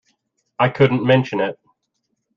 I couldn't mention it.